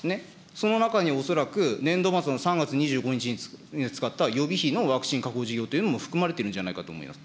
その中に恐らく、年度末の３月２５日に使った予備費のワクチン確保事業というのも含まれているんじゃないかと思います。